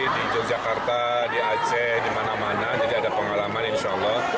di yogyakarta di aceh di mana mana jadi ada pengalaman insya allah